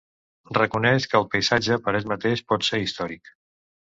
Reconeix que el paisatge per ell mateix pot ser històric.